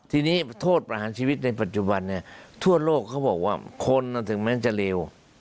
ทีนี้โทษประหารชีวิตในปัจจุบันเนี่ยทั่วโลกเขาบอกว่าคนถึงแม้จะเร็ว